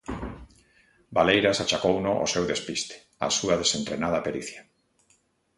Valeiras achacouno ó seu despiste, á súa desentrenada pericia.